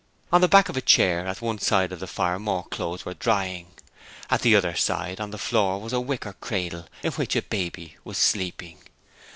On the back of a chair at one side of the fire more clothes were drying. At the other side on the floor was a wicker cradle in which a baby was sleeping.